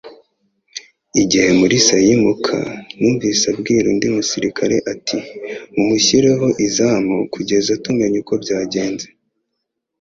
Igihe Mulisa yimuka, numvise abwira undi musirikare ati: "Mumushyireho izamu kugeza tumenye uko byagenze."